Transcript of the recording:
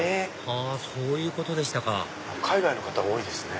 はぁそういうことでしたか海外の方が多いですね。